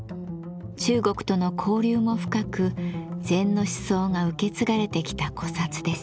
中国との交流も深く禅の思想が受け継がれてきた古刹です。